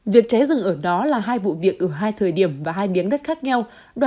việc cháy rừng ở đó là hai vụ việc ở hai thời điểm và hai biến đất khác nhau